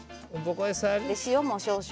塩も少々。